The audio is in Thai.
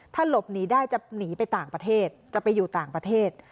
ถ้าหลบหนีได้จะหนีไปต่างประเทศจะไปอยู่ต่างประเทศ